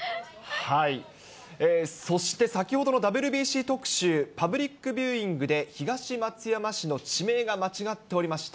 そして、先ほどのＷＢＣ特集、パブリックビューイングで東松山市の地名が間違っておりました。